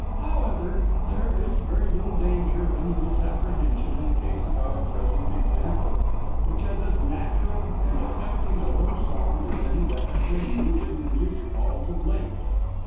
However, there is very little danger of any misapprehension in the case of our present example, which is as natural and affecting a little song as any that have been moving the Music Halls of late.